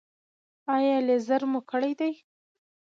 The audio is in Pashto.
ایا لیزر مو کړی دی؟